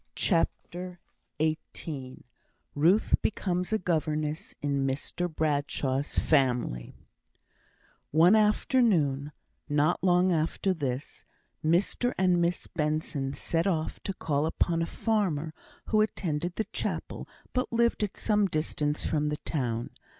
CHAPTER XVIII Ruth Becomes a Governess in Mr Bradshaw's Family One afternoon, not long after this, Mr and Miss Benson set off to call upon a farmer, who attended the chapel, but lived at some distance from the town.